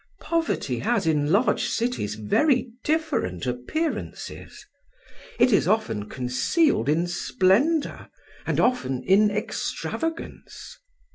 Poverty has in large cities very different appearances. It is often concealed in splendour and often in extravagance.